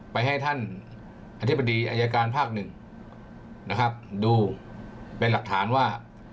ไปให้ท่านอธิบดีอายการภาคหนึ่งนะครับดูเป็นหลักฐานว่า